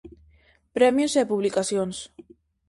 Premios e publicacións.